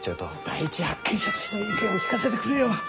第一発見者としての意見を聞かせてくれよ。